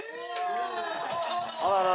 あらら。